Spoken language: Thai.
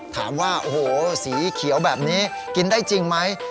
ถามว่าโอ้โหสีเขียวแบบนี้กินได้จริงไหม